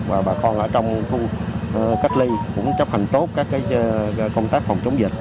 và bà con ở trong khu cách ly cũng chấp hành tốt các công tác phòng chống dịch